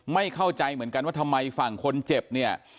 ไม่เข้าใจเหมือนกันว่าทำไมฝั่งคนเจ็บเนี่ย